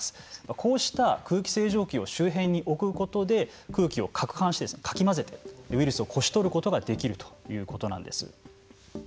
こうした空気清浄機を周辺に置くことで空気をかくはんしてかき混ぜてウイルスをこし取ることができるということなんです。